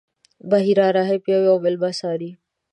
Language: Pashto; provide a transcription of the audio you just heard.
بحیرا راهب یو یو میلمه څاري.